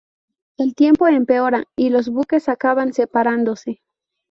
El tiempo empeora y los buques acaban separándose.